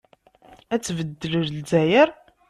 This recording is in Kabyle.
Ad tbeddel Lezzayer?